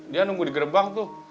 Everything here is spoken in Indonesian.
dia nunggu di gerbang tuh